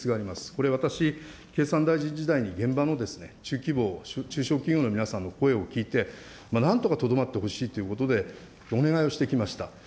これ、私、経産大臣時代に現場の中規模・中小企業の皆さんの声を聞いて、なんとかとどまってほしいということでお願いをしてきました。